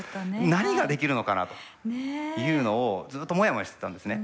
何ができるのかなというのをずっとモヤモヤしてたんですね。